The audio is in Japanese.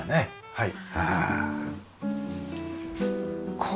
はい。